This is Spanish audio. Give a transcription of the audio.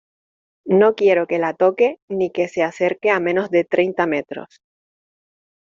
no quiero que la toque ni que se acerque a menos de treinta metros.